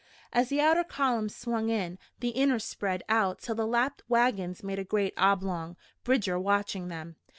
As the outer columns swung in, the inner spread out till the lapped wagons made a great oblong, Bridger watching them.